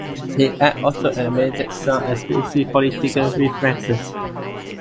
He had also eliminated some explicitly political references.